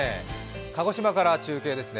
鹿児島から中継ですね。